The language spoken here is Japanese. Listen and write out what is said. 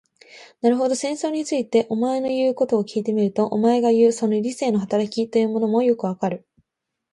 なるほど、戦争について、お前の言うことを聞いてみると、お前がいう、その理性の働きというものもよくわかる。